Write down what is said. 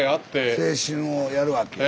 青春をやるわけや。